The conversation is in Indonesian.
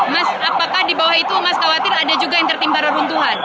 mas apakah di bawah itu mas khawatir ada juga yang tertimpa reruntuhan